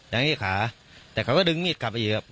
อย่างที่ขาแต่เขาก็ดึงมีดดที่กลับไปเย็บ